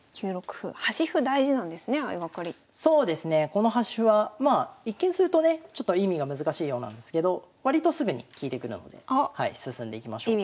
この端歩はまあ一見するとねちょっと意味が難しいようなんですけど割とすぐに利いてくるので進んでいきましょうか。